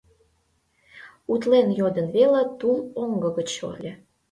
Утлен йодын веле тул оҥго гыч эл…